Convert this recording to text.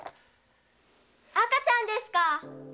赤ちゃんですか？